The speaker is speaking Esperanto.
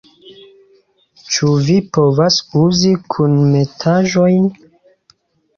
- Ĉu vi povas uzi kunmetaĵojn?